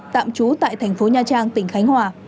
tạm trú tại thành phố nha trang tỉnh khánh hòa